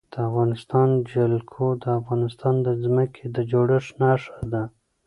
د افغانستان جلکو د افغانستان د ځمکې د جوړښت نښه ده.